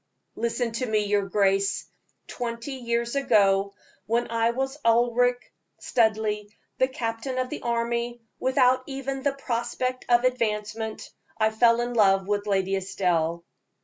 "Listen to me, your grace. Twenty years ago, when I was Ulric Studleigh, a captain in the army, without even the prospect of advancement, I fell in love with Lady Estelle."